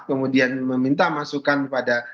kemudian meminta masukan pada